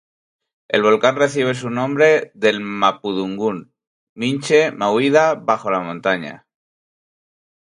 El volcán recibe su nombre del mapudungun "Minche"-"mahuida", "Bajo la montaña".